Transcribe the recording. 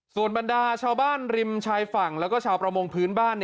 ส่วนบรรดาชาวบ้านริมชายฝั่งแล้วก็ชาวประมงพื้นบ้าน